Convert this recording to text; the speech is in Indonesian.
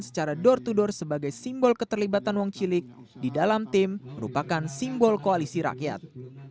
secara door to door sebagai simbol keterlibatan wong cilik di dalam tim merupakan simbol koalisi rakyat